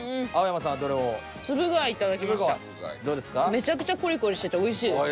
めちゃくちゃコリコリしてておいしいです。